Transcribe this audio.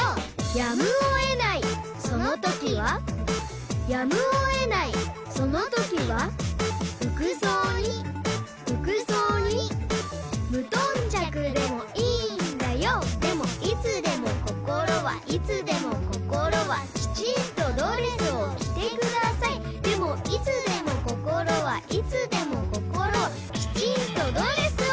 やむを得ないそのときはやむを得ないそのときは服装に服装に無頓着でもいいんだよでもいつでも心はいつでも心はきちんとドレスを着てくださいでもいつでも心はいつでも心はきちんとドレスを！